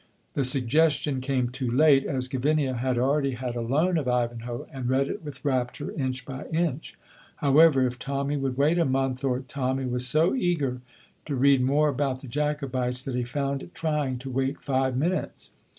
The suggestion came too late, as Gavinia had already had a loan of "Ivanhoe," and read it with rapture, inch by inch. However, if Tommy would wait a month, or Tommy was so eager to read more about the Jacobites that he found it trying to wait five minutes.